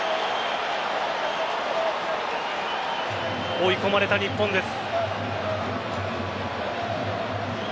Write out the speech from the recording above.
追い込まれた日本です。